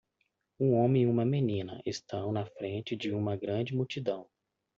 Um homem e uma menina estão na frente de uma grande multidão.